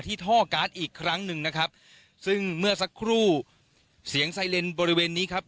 ท่อการ์ดอีกครั้งหนึ่งนะครับซึ่งเมื่อสักครู่เสียงไซเลนบริเวณนี้ครับ